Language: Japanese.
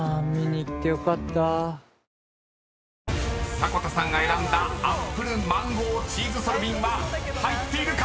［迫田さんが選んだアップルマンゴーチーズソルビンは入っているか⁉］